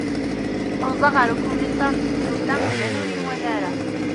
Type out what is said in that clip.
uẓaɣ ɣer ukumisar n temsulta iban ur iyi-iwali ara